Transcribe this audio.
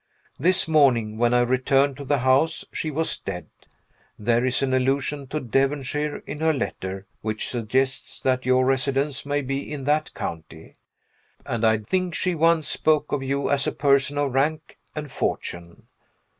This morning, when I returned to the house, she was dead. There is an allusion to Devonshire in her letter, which suggests that your residence may be in that county; and I think she once spoke of you as a person of rank and fortune.